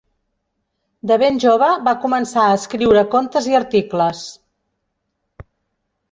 De ben jove va començar a escriure contes i articles.